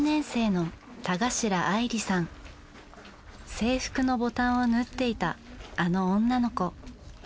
制服のボタンを縫っていたあの女の子。